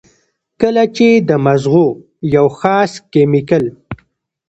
کله چې د مزغو د يو خاص کېميکل